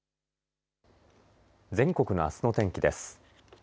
全国のあすの天気です。